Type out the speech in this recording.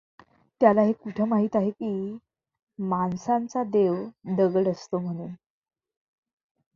त्याला हे कुठं माहीत आहे की, माणसांचा देव दगड असतो म्हणून?